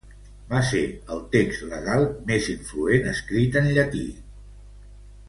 Va ser el text legal més influent escrit en llatí.